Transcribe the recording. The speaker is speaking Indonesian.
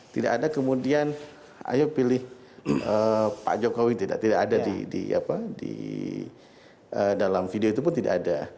tidak ada kemudian ayo pilih pak jokowi tidak ada di dalam video itu pun tidak ada